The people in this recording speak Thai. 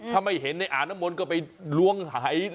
ถ้าไม่เห็นในอ่างน้ำมนต์ก็ไปล้วงหาย